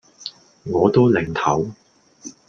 我都擰頭